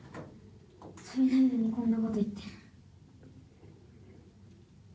それなのにこんなこと言って。